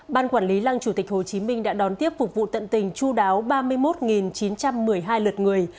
ban quản lý lăng chủ tịch hồ chí minh đã đón tiếp phục vụ tận tình chú đáo ba mươi một chín trăm một mươi hai lượt người